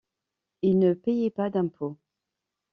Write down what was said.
Ils ne payaient pas d'impôts.